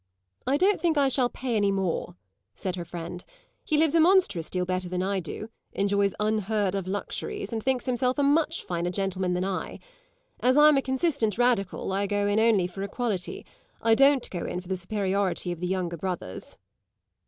"I don't think I shall pay any more," said her friend; "he lives a monstrous deal better than I do, enjoys unheard of luxuries and thinks himself a much finer gentleman than I. As I'm a consistent radical I go in only for equality; I don't go in for the superiority of the younger brothers."